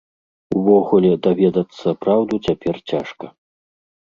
Увогуле, даведацца праўду цяпер цяжка.